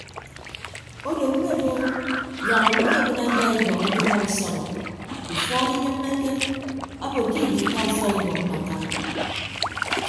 Odo mme bo yak ọmmọ ebịne abia ibọk ekebọ usọbọ ufuọd inyịmmeke abo ke ibiika ufọk ibọk mbakara.